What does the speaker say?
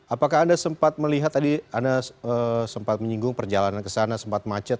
apakah anda sempat melihat tadi anda sempat menyinggung perjalanan ke sana sempat macet